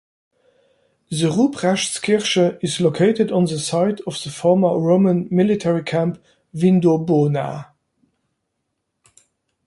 The Ruprechtskirche is located on the site of the former Roman military camp Vindobona.